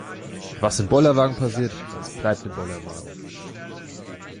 Was im Bollerwagen passiert, das bleibt im Bollerwagen.